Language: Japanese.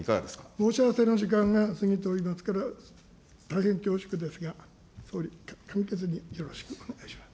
申し合わせの時間が過ぎておりますから、大変恐縮ですが、総理、簡潔によろしくお願いします。